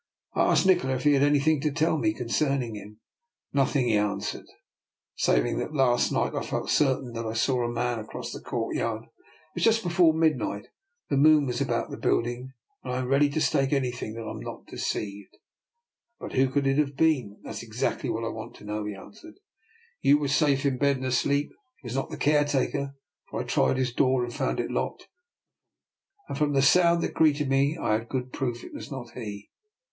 I asked Nikola if he had anything to tell me concerning him. " Nothing," he answered, " save that last night I felt certain that I saw a man cross the courtyard. It was just before midnight, the moon was about the building, and I am ready to stake anything that I am not deceived." " But who could it have been? "" That's exactly what I want to know," he answered. You were safe in bed and asleep. It was not the caretaker, for I tried his door and found it locked, and from the sound that greeted me I had good proof it was not he."